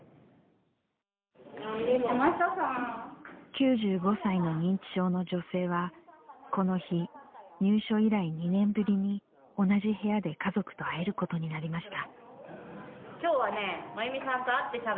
９５歳の認知症の女性はこの日、入所以来２年ぶりに同じ部屋で家族と会えることになりました。